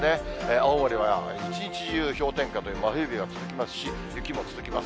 青森は一日中氷点下という、真冬日が続きますし、雪も続きます。